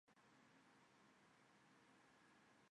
瘦柱绒毛杜鹃为杜鹃花科杜鹃属下的一个变种。